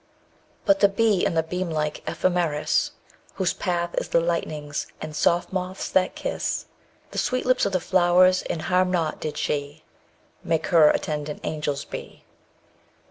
But the bee and the beamlike ephemeris Whose path is the lightning's, and soft moths that kiss _50 The sweet lips of the flowers, and harm not, did she Make her attendant angels be.